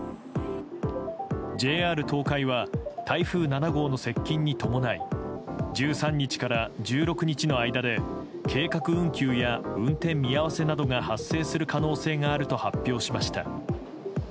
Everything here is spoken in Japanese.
ＪＲ東海は台風７号の接近に伴い１３日から１６日の間で計画運休や運転見合わせなどが発生する可能性があると発表しました。